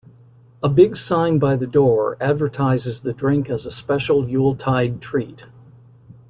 A big sign by the door advertises the drink as a special Yuletide treat.